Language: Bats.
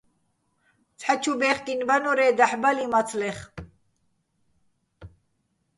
ცჰ̦ა ჩუ ბეხკინო ბანო́რ-ე́ დაჰ̦ ბალიჼ მაცლეხ.